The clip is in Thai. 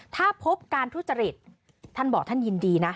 ถ้าพบการทุจริตท่านบอกท่านยินดีนะ